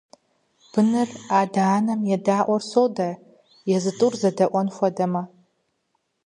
Быныр адэ-анэм едаӀуэр содэ, езы тӀур узэдэӀуэн хуэдэмэ.